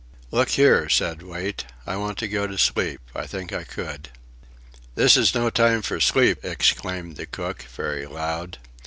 "Look here," said Wait, "I want to go to sleep. I think I could." "This is no time for sleep!" exclaimed the cook, very loud.